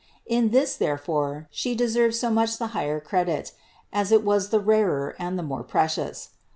In this, therefore, She deserved so much the higher credit, as it was the rarer and the more precious.